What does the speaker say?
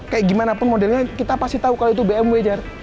kayak gimana pun modelnya kita pasti tahu kalau itu bmwjar